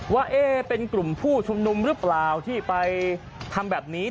ว่าเป็นกลุ่มผู้ชุมนุมหรือเปล่าที่ไปทำแบบนี้